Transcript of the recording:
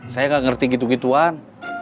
saya nggak ngerti gitu gituan